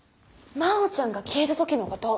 真央ちゃんが消えた時のこと。